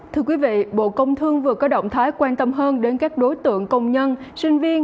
thưa quý vị bộ công thương vừa có động thái quan tâm hơn đến các đối tượng công nhân sinh viên